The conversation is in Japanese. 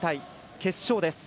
決勝です。